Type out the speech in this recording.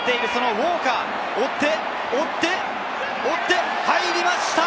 ウォーカーが追って、追って、入りました！